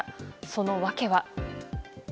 その訳は。